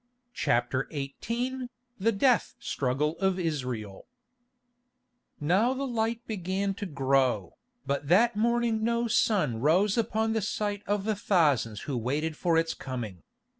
CHAPTER XVIII THE DEATH STRUGGLE OF ISRAEL Now the light began to grow, but that morning no sun rose upon the sight of the thousands who waited for its coming.